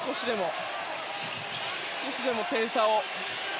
少しでも点差を。